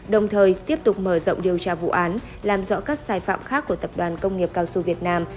đồng thời tiếp tục mở rộng điều tra vụ án làm rõ các sai phạm khác của tập đoàn công nghiệp cao su việt nam